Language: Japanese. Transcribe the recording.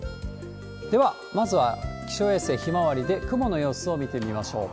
では、まずは気象衛星ひまわりで雲の様子を見てみましょう。